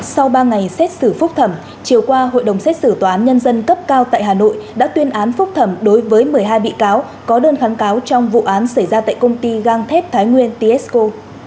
sau ba ngày xét xử phúc thẩm chiều qua hội đồng xét xử tòa án nhân dân cấp cao tại hà nội đã tuyên án phúc thẩm đối với một mươi hai bị cáo có đơn kháng cáo trong vụ án xảy ra tại công ty gang thép thái nguyên tisco